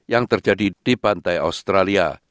yang terjadi di pantai australia